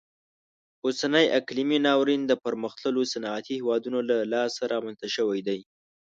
اوسنی اقلیمي ناورین د پرمختللو صنعتي هیوادونو له لاسه رامنځته شوی دی.